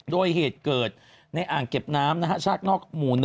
โดยเหตุเกิดในอ่างเก็บน้ำชากนอกหมู่๑